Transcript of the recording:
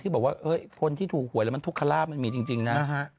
ที่บอกว่าคนที่ถูกหวยมันมีทุกคลามันมีจริงนะ